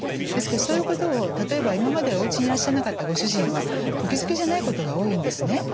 ですけどそういうことを例えば今までおうちにいらっしゃらなかったご主人はお気付きじゃないことが多いんですね。